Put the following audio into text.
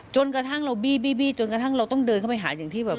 จนกระทั่งเราบี้จนกระทั่งเราต้องเดินเข้าไปหาอย่างที่แบบ